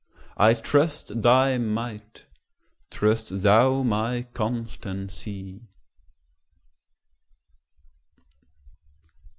I trust thy might; trust thou my constancy.